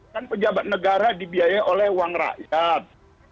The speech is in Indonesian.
kan pejabat negara dibiayai oleh uang rakyat